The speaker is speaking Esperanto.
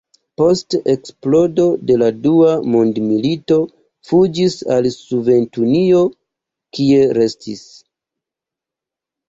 Post eksplodo de la dua mondmilito fuĝis al Sovetunio, kie restis.